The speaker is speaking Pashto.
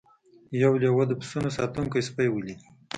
یو لیوه د پسونو ساتونکی سپی ولید.